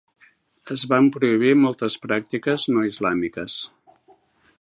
Es van prohibir moltes pràctiques no islàmiques.